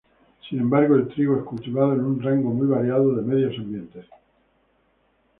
Sin embargo, el trigo es cultivado en un rango muy variado de medios ambientes.